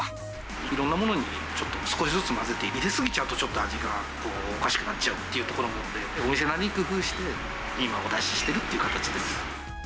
いろんなものにちょっと少しずつ混ぜて、入れ過ぎちゃうと、味がちょっとおかしくなっちゃうというところもあるので、お店なりに工夫して、今、お出ししているっていう形です。